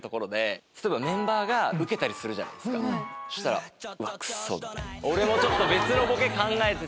そしたらクソ！みたいな。